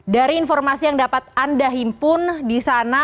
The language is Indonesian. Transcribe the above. dari informasi yang dapat anda himpun di sana